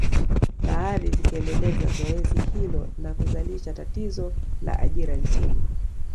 Baadhi zikiendeleza zoezi hilo na kuzalisha tatizo la ajira nchini